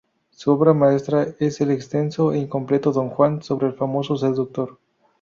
Su obra maestra es el extenso e incompleto "Don Juan", sobre el famoso seductor.